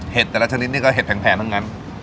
แต่ละชนิดนี่ก็เห็ดแผงทั้งนั้น